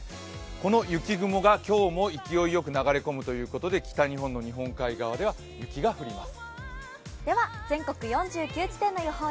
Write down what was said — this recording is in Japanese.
この雪雲が今日も勢いよく流れ込むということで北日本の日本海側では雪が降ります。